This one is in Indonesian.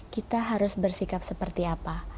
kita harus bersikap seperti apa